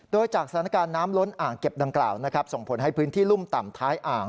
โดยจากสถานการณ์น้ำล้นอ่างเก็บดังกล่าวนะครับส่งผลให้พื้นที่รุ่มต่ำท้ายอ่าง